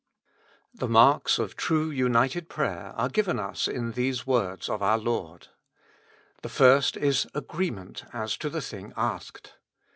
The marks of true united prayer are given us in these words of our Lord. The first is agreement as to the thing asked.